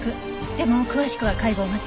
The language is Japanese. でも詳しくは解剖を待って。